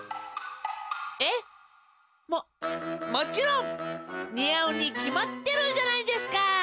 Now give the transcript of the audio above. えっ？ももちろん！にあうにきまってるじゃないですか！